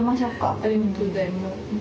ありがとうございます。